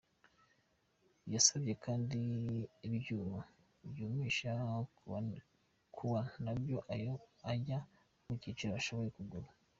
Yasabye kandi ibyuma byumisha kawa nabyo ayo ajya mu gaciro ashobora kugura.